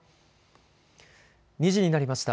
２時になりました。